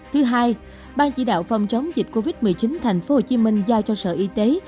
thứ hai ban chỉ đạo phòng chống dịch covid một mươi chín tp hcm giao cho sở y tế